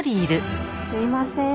すいません。